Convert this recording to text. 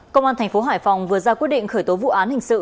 công an thành phố hải phòng vừa ra quyết định khởi tố vụ án hình sự